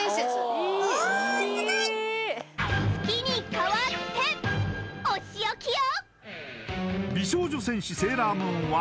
月にかわっておしおきよ！